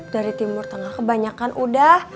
dari timur tengah kebanyakan udah